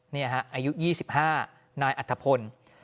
นี่ฮะอายุ๒๕นายอัฐพล